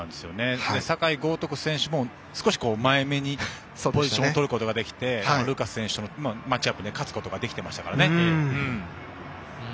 酒井高徳選手も少し前めにポジションをとることができてルーカス選手とのマッチアップに勝つことができていましたからね。